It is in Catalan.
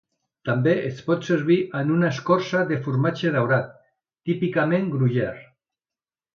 També es pot servir amb una escorça de formatge daurat, típicament Gruyère.